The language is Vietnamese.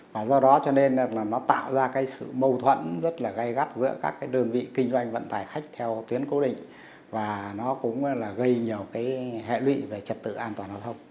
và nó cũng là gây nhiều hệ lụy về trật tự an toàn hóa thông